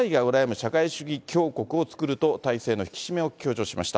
社会主義強国を作ると体制の引き締めを強調しました。